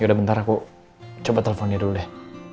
yaudah bentar aku coba telepon dia dulu deh